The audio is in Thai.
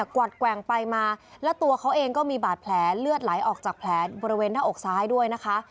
วัดแกว่งไปมาแล้วตัวเขาเองก็มีบาดแผลเลือดไหลออกจากแผลบริเวณหน้าอกซ้ายด้วยนะคะ